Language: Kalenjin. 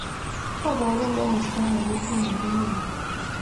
Aborun komosta Ole kianyorune ni